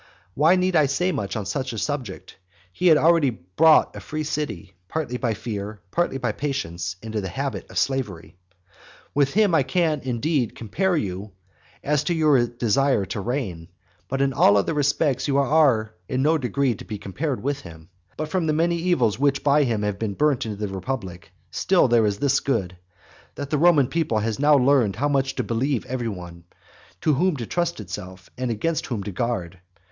Why need I say much on such a subject? He had already brought a free city, partly by fear, partly by patience, into a habit of slavery. XLVI. With him I can, indeed, compare you as to your desire to reign, but in all other respects you are in no degree to be compared to him. But from the many evils which by him have been burnt into the republic, there is still this good, that the Roman people has now learnt how much to believe every one, to whom to trust itself, and against whom to guard.